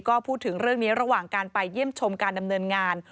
ก็พูดถึงเรื่องนี้ระหว่างการไปเยี่ยมชมการดำเนินงาน